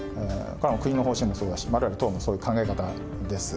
国の方針もそうだし、われわれ党もそういう考え方です。